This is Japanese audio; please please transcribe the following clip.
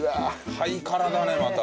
ハイカラだねまた。